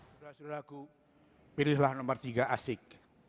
sudra sudraku pilihlah nomor tiga asyik